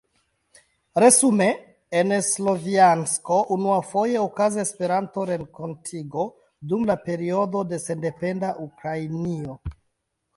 Resume, en Slovjansko unuafoje okazis Esperanto-renkontigo dum la periodo de sendependa Ukrainio.